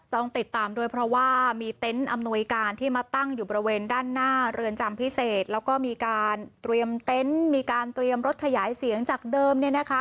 ต้องติดตามด้วยเพราะว่ามีเต็นต์อำนวยการที่มาตั้งอยู่บริเวณด้านหน้าเรือนจำพิเศษแล้วก็มีการเตรียมเต็นต์มีการเตรียมรถขยายเสียงจากเดิมเนี่ยนะคะ